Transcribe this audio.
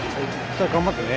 さあ頑張ってね。